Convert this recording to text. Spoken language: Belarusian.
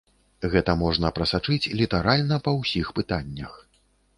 Гэта можна прасачыць літаральна па ўсіх пытаннях.